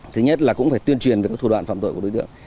thứ nhất là cũng phải tuyên truyền về các thủ đoạn phạm tội của đối tượng